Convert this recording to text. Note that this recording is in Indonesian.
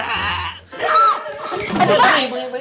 aduh aduh pak sini pak pak pink